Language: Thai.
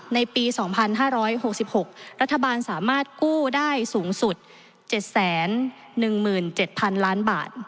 ในปี๒๕๖๖รัฐบาลสามารถกู้ได้สูงสุด๗๑๗๐๐๐ล้านบาท